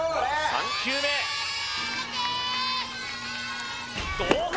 ３球目どうか！？